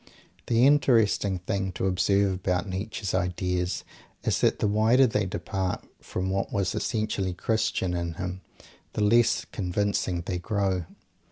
The interesting thing to observe about Nietzsche's ideas is that the wider they depart from what was essentially Christian in him, the less convincing they grow.